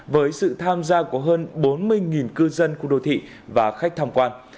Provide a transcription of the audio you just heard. với sự tham gia của hơn bốn mươi cư dân khu đô thị và khách tham quan